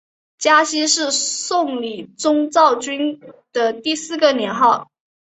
嘉熙是宋理宗赵昀的第四个年号。